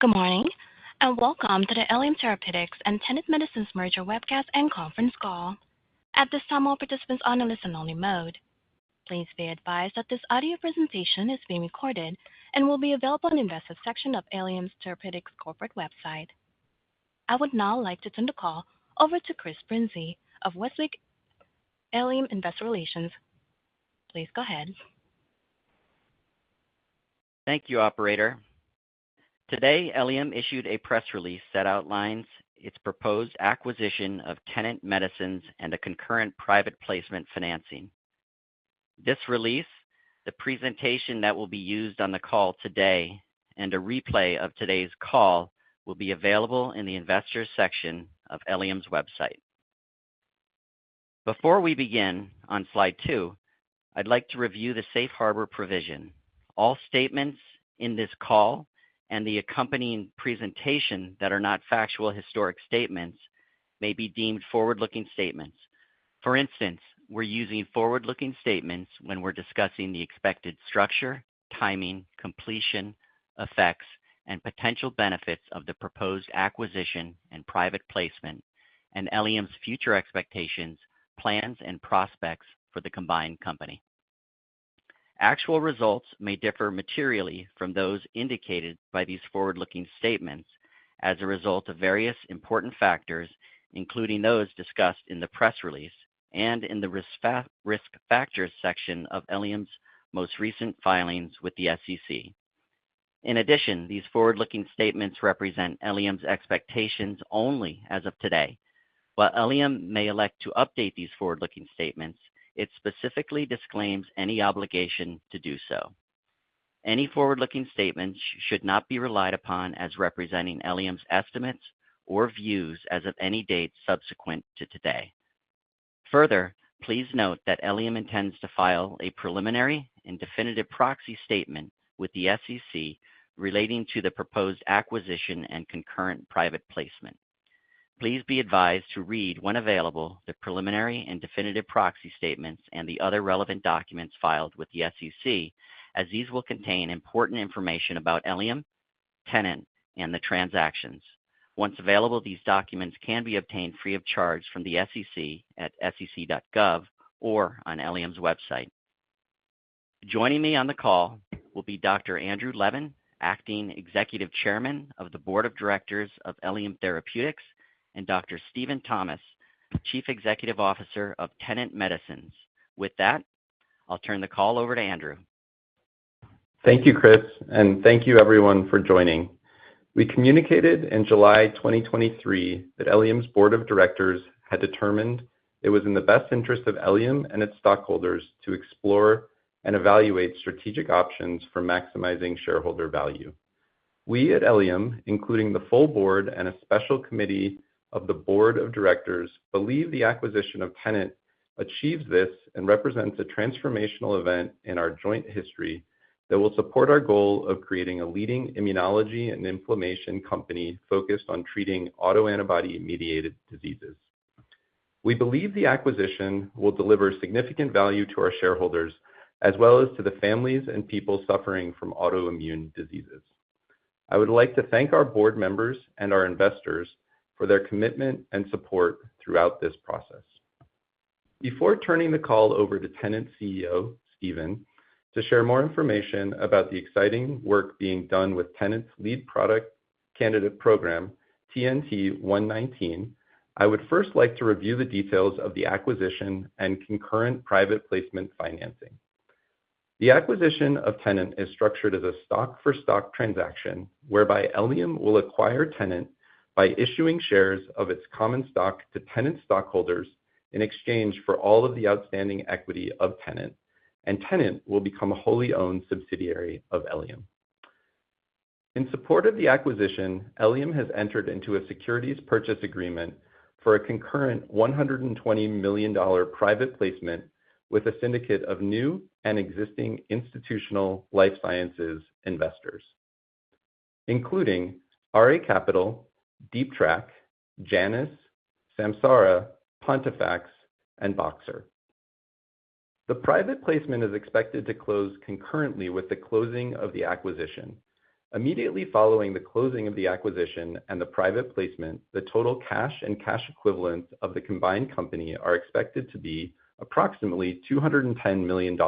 Good morning, and welcome to the Eliem Therapeutics and Tenet Medicines Merger Webcast and Conference Call. At this time, all participants are on a listen-only mode. Please be advised that this audio presentation is being recorded and will be available on the investor section of Eliem Therapeutics' corporate website. I would now like to turn the call over to Chris Brinzey of ICR Westwicke Investor Relations. Please go ahead. Thank you, operator. Today, Eliem issued a press release that outlines its proposed acquisition of Tenet Medicines and a concurrent private placement financing. This release, the presentation that will be used on the call today, and a replay of today's call will be available in the investors section of Eliem's website. Before we begin, on slide two, I'd like to review the Safe Harbor provision. All statements in this call and the accompanying presentation that are not factual historic statements may be deemed forward-looking statements. For instance, we're using forward-looking statements when we're discussing the expected structure, timing, completion, effects, and potential benefits of the proposed acquisition and private placement, and Eliem's future expectations, plans, and prospects for the combined company. Actual results may differ materially from those indicated by these forward-looking statements as a result of various important factors, including those discussed in the press release and in the risk factors section of Eliem's most recent filings with the SEC. In addition, these forward-looking statements represent Eliem's expectations only as of today. While Eliem may elect to update these forward-looking statements, it specifically disclaims any obligation to do so. Any forward-looking statements should not be relied upon as representing Eliem's estimates or views as of any date subsequent to today. Further, please note that Eliem intends to file a preliminary and definitive proxy statement with the SEC relating to the proposed acquisition and concurrent private placement. Please be advised to read, when available, the preliminary and definitive proxy statements and the other relevant documents filed with the SEC, as these will contain important information about Eliem, Tenet, and the transactions. Once available, these documents can be obtained free of charge from the SEC at sec.gov or on Eliem's website. Joining me on the call will be Dr. Andrew Levin, Acting Executive Chairman of the Board of Directors of Eliem Therapeutics, and Dr. Stephen Thomas, Chief Executive Officer of Tenet Medicines. With that, I'll turn the call over to Andrew. Thank you, Chris, and thank you everyone for joining. We communicated in July 2023 that Eliem's board of directors had determined it was in the best interest of Eliem and its stockholders to explore and evaluate strategic options for maximizing shareholder value. We at Eliem, including the full board and a special committee of the board of directors, believe the acquisition of Tenet achieves this and represents a transformational event in our joint history that will support our goal of creating a leading immunology and inflammation company focused on treating autoantibody-mediated diseases. We believe the acquisition will deliver significant value to our shareholders, as well as to the families and people suffering from autoimmune diseases. I would like to thank our board members and our investors for their commitment and support throughout this process. Before turning the call over to Tenet's CEO, Stephen, to share more information about the exciting work being done with Tenet's lead product candidate program, TNT-119, I would first like to review the details of the acquisition and concurrent private placement financing. The acquisition of Tenet is structured as a stock-for-stock transaction, whereby Eliem will acquire Tenet by issuing shares of its common stock to Tenet stockholders in exchange for all of the outstanding equity of Tenet, and Tenet will become a wholly owned subsidiary of Eliem. In support of the acquisition, Eliem has entered into a securities purchase agreement for a concurrent $120 million private placement with a syndicate of new and existing institutional life sciences investors, including RA Capital, Deep Track, Janus, Samsara, Pontifax, and Boxer. The private placement is expected to close concurrently with the closing of the acquisition. Immediately following the closing of the acquisition and the private placement, the total cash and cash equivalents of the combined company are expected to be approximately $210 million,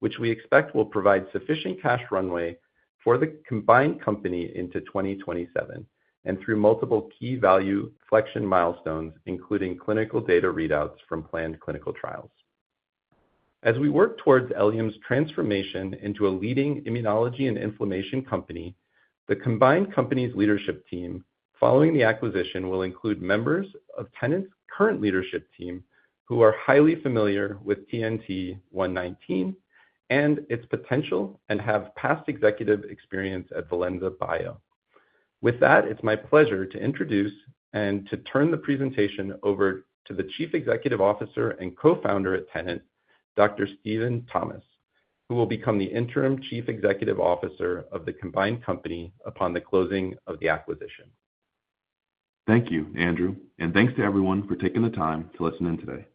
which we expect will provide sufficient cash runway for the combined company into 2027 and through multiple key value inflection milestones, including clinical data readouts from planned clinical trials. As we work towards Eliem's transformation into a leading immunology and inflammation company, the combined company's leadership team, following the acquisition, will include members of Tenet's current leadership team, who are highly familiar with TNT-119 and its potential and have past executive experience at ValenzaBio. With that, it's my pleasure to introduce and to turn the presentation over to the Chief Executive Officer and Co-founder at Tenet, Dr. Stephen Thomas, who will become the Interim Chief Executive Officer of the combined company upon the closing of the acquisition.... Thank you, Andrew, and thanks to everyone for taking the time to listen in today.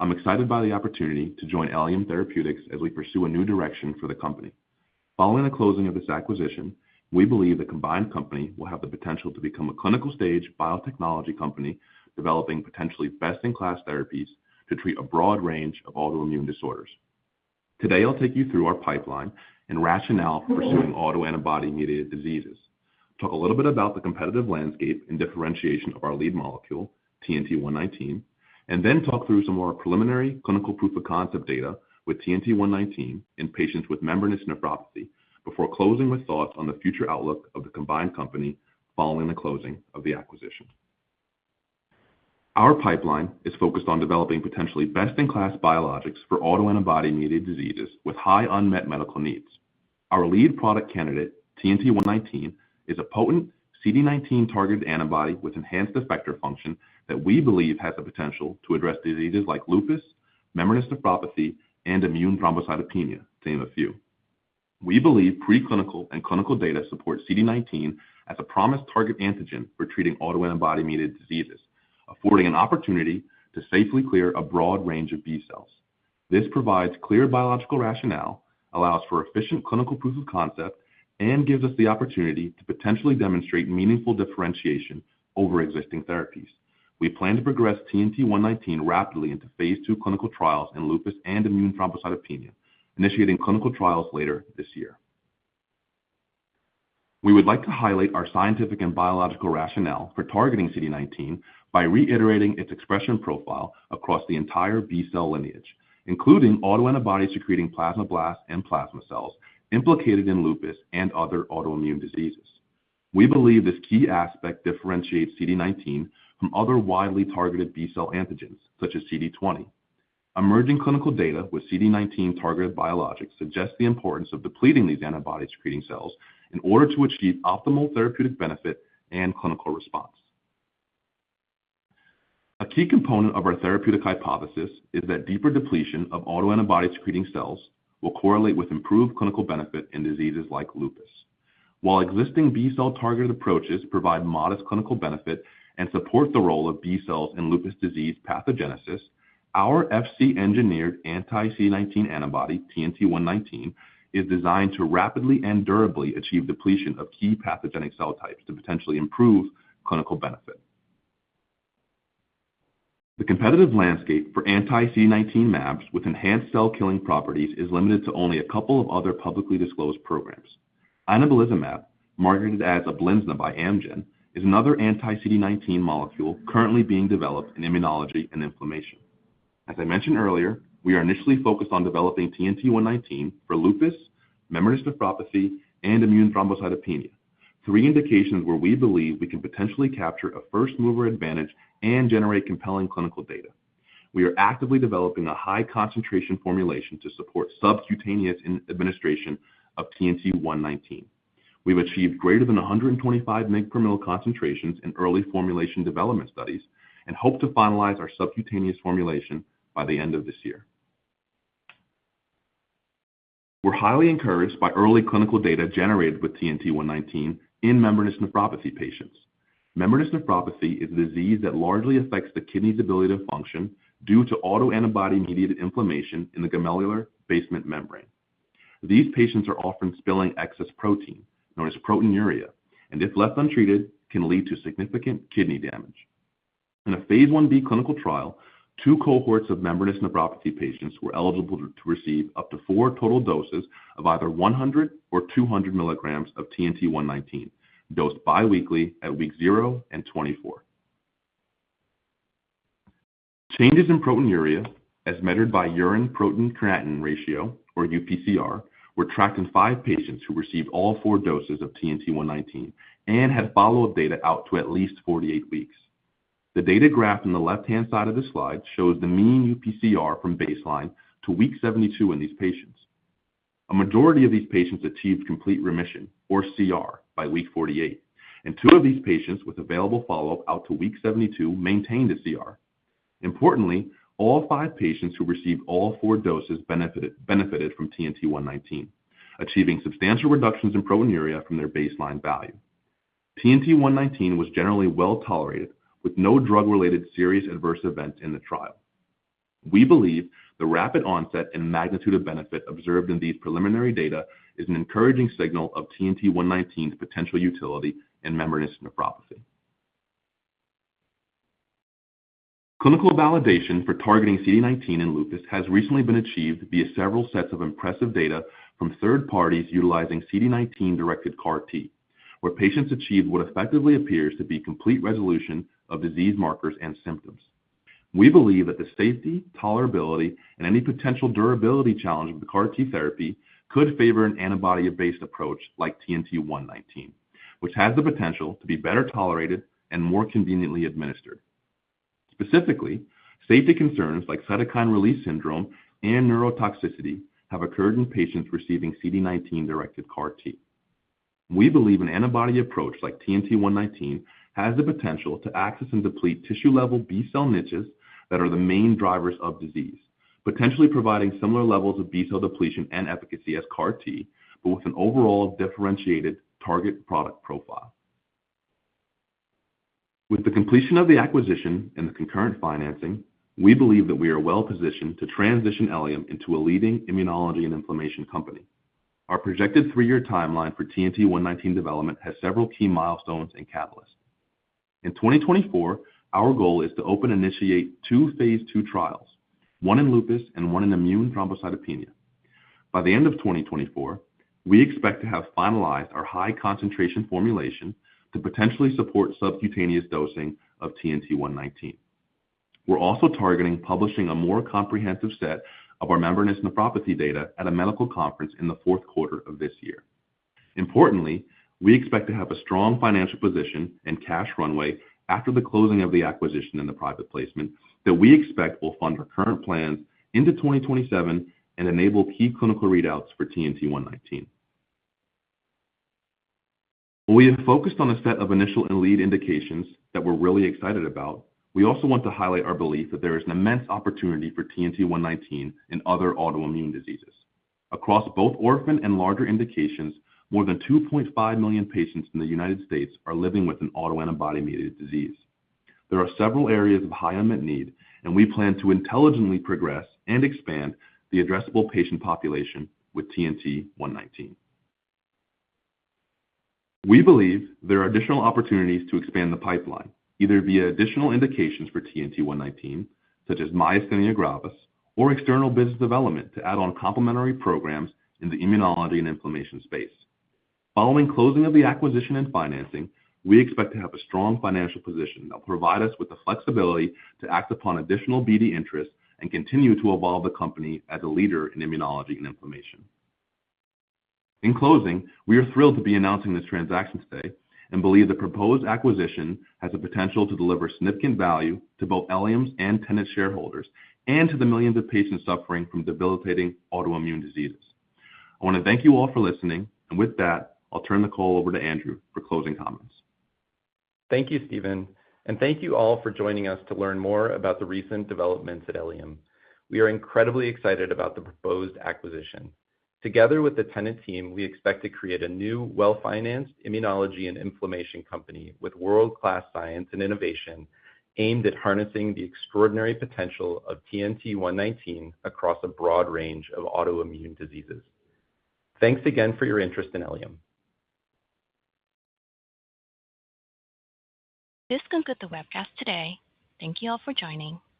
I'm excited by the opportunity to join Eliem Therapeutics as we pursue a new direction for the company. Following the closing of this acquisition, we believe the combined company will have the potential to become a clinical-stage biotechnology company, developing potentially best-in-class therapies to treat a broad range of autoimmune disorders. Today, I'll take you through our pipeline and rationale for pursuing autoantibody-mediated diseases. Talk a little bit about the competitive landscape and differentiation of our lead molecule, TNT-119, and then talk through some more preliminary clinical proof of concept data with TNT-119 in patients with membranous nephropathy, before closing with thoughts on the future outlook of the combined company following the closing of the acquisition. Our pipeline is focused on developing potentially best-in-class biologics for autoantibody-mediated diseases with high unmet medical needs. Our lead product candidate, TNT-119, is a potent CD19-targeted antibody with enhanced effector function that we believe has the potential to address diseases like lupus, membranous nephropathy, and immune thrombocytopenia, to name a few. We believe preclinical and clinical data support CD19 as a promising target antigen for treating autoantibody-mediated diseases, affording an opportunity to safely clear a broad range of B cells. This provides clear biological rationale, allows for efficient clinical proof of concept, and gives us the opportunity to potentially demonstrate meaningful differentiation over existing therapies. We plan to progress TNT-119 rapidly into phase 2 clinical trials in lupus and immune thrombocytopenia, initiating clinical trials later this year. We would like to highlight our scientific and biological rationale for targeting CD19 by reiterating its expression profile across the entire B-cell lineage, including autoantibody-secreting plasmablasts and plasma cells implicated in lupus and other autoimmune diseases. We believe this key aspect differentiates CD19 from other widely targeted B-cell antigens, such as CD20. Emerging clinical data with CD19-targeted biologics suggests the importance of depleting these antibody-secreting cells in order to achieve optimal therapeutic benefit and clinical response. A key component of our therapeutic hypothesis is that deeper depletion of autoantibody-secreting cells will correlate with improved clinical benefit in diseases like lupus. While existing B-cell-targeted approaches provide modest clinical benefit and support the role of B cells in lupus disease pathogenesis, our Fc-engineered anti-CD19 antibody, TNT-119, is designed to rapidly and durably achieve depletion of key pathogenic cell types to potentially improve clinical benefit. The competitive landscape for anti-CD19 mAbs with enhanced cell-killing properties is limited to only a couple of other publicly disclosed programs. Inebilizumab, marketed as Uplizna by Amgen, is another anti-CD19 molecule currently being developed in immunology and inflammation. As I mentioned earlier, we are initially focused on developing TNT-119 for lupus, membranous nephropathy, and immune thrombocytopenia. Three indications where we believe we can potentially capture a first-mover advantage and generate compelling clinical data. We are actively developing a high-concentration formulation to support subcutaneous administration of TNT-119. We've achieved greater than 125 mg per mL concentrations in early formulation development studies and hope to finalize our subcutaneous formulation by the end of this year. We're highly encouraged by early clinical data generated with TNT-119 in membranous nephropathy patients. Membranous nephropathy is a disease that largely affects the kidney's ability to function due to autoantibody-mediated inflammation in the glomerular basement membrane. These patients are often spilling excess protein, known as proteinuria, and if left untreated, can lead to significant kidney damage. In a Phase 1b clinical trial, two cohorts of membranous nephropathy patients were eligible to receive up to four total doses of either 100 or 200 mg of TNT-119, dosed biweekly at weeks 0 and 24. Changes in proteinuria, as measured by urine protein-creatinine ratio or UPCR, were tracked in five patients who received all four doses of TNT-119 and had follow-up data out to at least 48 weeks. The data graph on the left-hand side of this slide shows the mean UPCR from baseline to week 72 in these patients. A majority of these patients achieved complete remission or CR by week 48, and two of these patients with available follow-up out to week 72 maintained a CR. Importantly, all five patients who received all four doses benefited from TNT-119, achieving substantial reductions in proteinuria from their baseline value. TNT-119 was generally well-tolerated, with no drug-related serious adverse events in the trial. We believe the rapid onset and magnitude of benefit observed in these preliminary data is an encouraging signal of TNT-119's potential utility in membranous nephropathy. Clinical validation for targeting CD19 in lupus has recently been achieved via several sets of impressive data from third parties utilizing CD19-directed CAR T, where patients achieved what effectively appears to be complete resolution of disease markers and symptoms. We believe that the safety, tolerability, and any potential durability challenge of the CAR T therapy could favor an antibody-based approach like TNT-119, which has the potential to be better tolerated and more conveniently administered. Specifically, safety concerns like cytokine release syndrome and neurotoxicity have occurred in patients receiving CD19-directed CAR T. We believe an antibody approach like TNT-119 has the potential to access and deplete tissue-level B-cell niches that are the main drivers of disease, potentially providing similar levels of B-cell depletion and efficacy as CAR T, but with an overall differentiated target product profile. With the completion of the acquisition and the concurrent financing, we believe that we are well-positioned to transition Eliem into a leading immunology and inflammation company. Our projected three-year timeline for TNT-119 development has several key milestones and catalysts. In 2024, our goal is to initiate two phase 2 trials, one in lupus and one in immune thrombocytopenia. By the end of 2024, we expect to have finalized our high concentration formulation to potentially support subcutaneous dosing of TNT-119. We're also targeting publishing a more comprehensive set of our membranous nephropathy data at a medical conference in the fourth quarter of this year. Importantly, we expect to have a strong financial position and cash runway after the closing of the acquisition and the private placement, that we expect will fund our current plans into 2027 and enable key clinical readouts for TNT-119. We have focused on a set of initial and lead indications that we're really excited about. We also want to highlight our belief that there is an immense opportunity for TNT-119 in other autoimmune diseases. Across both orphan and larger indications, more than 2.5 million patients in the United States are living with an autoantibody-mediated disease. There are several areas of high unmet need, and we plan to intelligently progress and expand the addressable patient population with TNT-119. We believe there are additional opportunities to expand the pipeline, either via additional indications for TNT-119, such as myasthenia gravis, or external business development to add on complementary programs in the immunology and inflammation space. Following closing of the acquisition and financing, we expect to have a strong financial position that will provide us with the flexibility to act upon additional BD interests and continue to evolve the company as a leader in immunology and inflammation. In closing, we are thrilled to be announcing this transaction today and believe the proposed acquisition has the potential to deliver significant value to both Eliem's and Tenet shareholders, and to the millions of patients suffering from debilitating autoimmune diseases. I want to thank you all for listening, and with that, I'll turn the call over to Andrew for closing comments. Thank you, Stephen, and thank you all for joining us to learn more about the recent developments at Eliem. We are incredibly excited about the proposed acquisition. Together with the Tenet team, we expect to create a new, well-financed immunology and inflammation company with world-class science and innovation aimed at harnessing the extraordinary potential of TNT-119 across a broad range of autoimmune diseases. Thanks again for your interest in Eliem. This concludes the webcast today. Thank you all for joining.